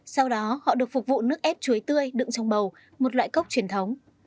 sau đó họ được phục vụ nước ép chuối tươi đựng trong bầu một loại cốc truyền thống